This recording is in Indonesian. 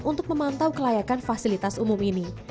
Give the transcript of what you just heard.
untuk memantau kelayakan fasilitas umum ini